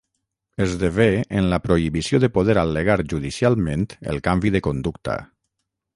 Esdevé en la prohibició de poder al·legar judicialment el canvi de conducta.